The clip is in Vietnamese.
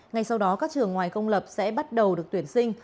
ngay sau đó các trường ngoài công lập sẽ bắt đầu được tuyển sinh